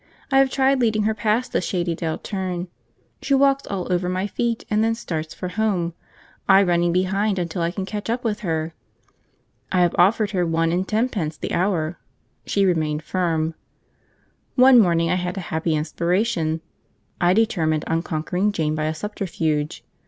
I have tried leading her past the Shady Dell turn; she walks all over my feet, and then starts for home, I running behind until I can catch up with her. I have offered her one and tenpence the hour; she remained firm. One morning I had a happy inspiration; I determined on conquering Jane by a subterfuge.